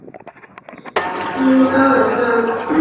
续彦三为日本明治时期政府官员。